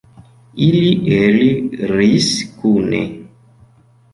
Ili eliris kune.